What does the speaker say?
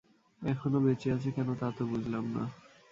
এখনও বেঁচে আছে কেন তা তো বুঝলাম না!